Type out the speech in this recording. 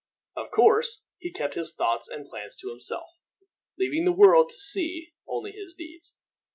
Of course, he kept his thoughts and plans to himself, leaving the world to see only his deeds.